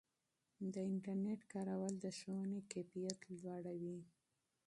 د انټرنیټ کارول د ښوونې کیفیت لوړوي.